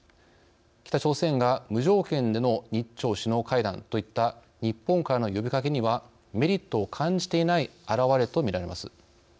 北朝鮮が無条件での日朝首脳会談といった日本からの呼びかけにはメリットを感じていない表れとみられます。